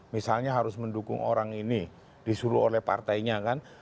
misalnya harus mendukung orang ini disuruh oleh partainya kan